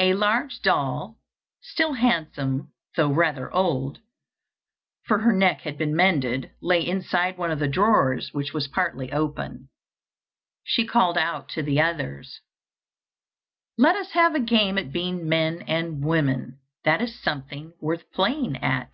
A large doll, still handsome, though rather old, for her neck had been mended, lay inside one of the drawers which was partly open. She called out to the others, "Let us have a game at being men and women, that is something worth playing at."